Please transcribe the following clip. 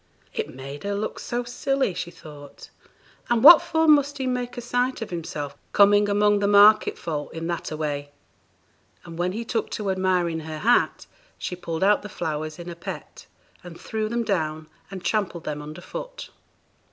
'It made her look so silly,' she thought; and 'what for must he make a sight of himself, coming among the market folk in that a way'; and when he took to admiring her hat, she pulled out the flowers in a pet, and threw them down, and trampled them under foot.